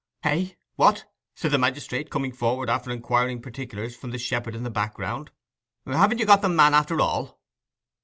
'Hey—what?' said the magistrate, coming forward after inquiring particulars from the shepherd in the background. 'Haven't you got the man after all?